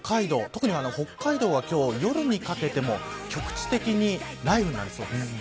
特に北海道は今日、夜にかけても局地的に雷雨になりそうです。